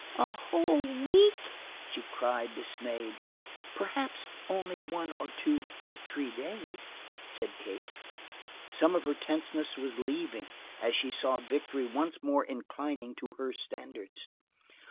"A whole week?" she cried, dismayed. "Perhaps only one or two or three days," said Kate. Some of her tenseness was leaving as she saw victory once more inclining to her standards.